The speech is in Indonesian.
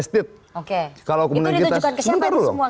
itu ditujukan kesempatan semua